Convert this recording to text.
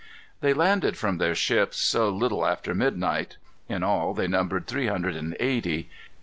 They landed from their ships, a little after midnight. In all, they numbered three hundred and eighty.